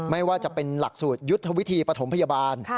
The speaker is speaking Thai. ไม่ว่าจะเป็นหลักสูตรยุทธวิธีปฐมพยาบาล